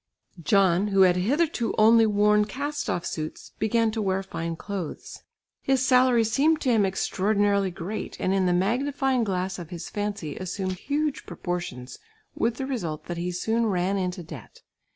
John who had hitherto only worn east off suits, began to wear fine clothes. His salary seemed to him extraordinarily great and in the magnifying glass of his fancy assumed huge proportions, with the result that he soon ran into debt.